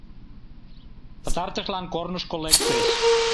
Пытартышлан корнышко лектыч.